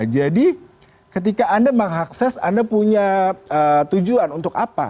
jadi ketika anda mengakses anda punya tujuan untuk apa